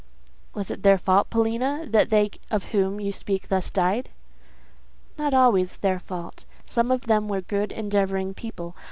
"Was it their fault, Paulina, that they of whom you speak thus died?" "Not always their fault. Some of them were good endeavouring people.